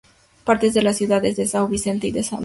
Partes de las ciudades de São Vicente y de Santos.